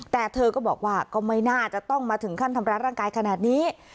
แต่เธอก็บอกว่าก็ไม่น่าจะต้องมาถึงขั้นทำร้ายร่างกายขนาดนี้